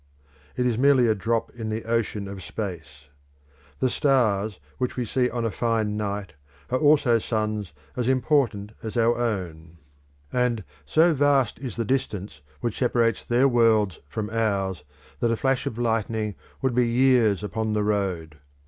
It is merely a drop in the ocean of space. The stars which we see on a fine night are also suns as important as our own; and so vast is the distance which separates their worlds from ours, that a flash of lightning would be years upon the road.